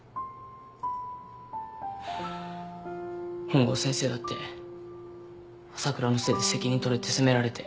本郷先生だって朝倉のせいで責任取れって責められて。